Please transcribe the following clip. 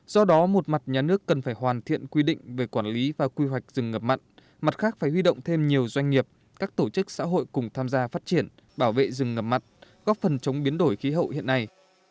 do đó một mặt nhà nước cần phải hoàn thiện quy định về quản lý và quy hoạch rừng ngập mặn mặt khác phải huy động thêm nhiều doanh nghiệp các tổ chức xã hội cùng tham gia phát triển bảo vệ rừng ngập mặn góp phần chống biến đổi khí hậu hiện nay